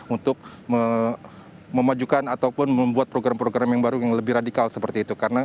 untuk memajukan ataupun membuat program program yang baru yang lebih radikal seperti itu